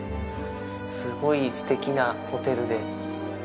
すごいすてきなホテルで。